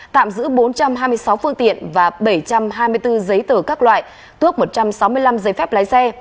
tạm giữ bốn trăm hai mươi sáu phương tiện và bảy trăm hai mươi bốn giấy tờ các loại tước một trăm sáu mươi năm giấy phép lái xe